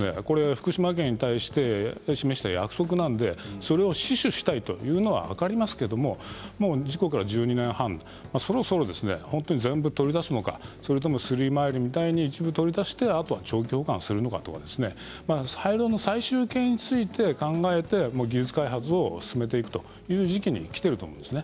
もちろん福島県に対して示した約束なのでそれを死守したいということは分かりますけれど事故から１２年半、そろそろ全部取り出すのか、それともスリーマイルのように一部取り出して長期保管するのか廃炉の最終形について考えて技術開発を進めていくという時期にきているんです。